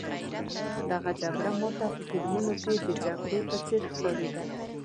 دغه جګړه ما ته په فلمونو کې د جګړې په څېر ښکارېده.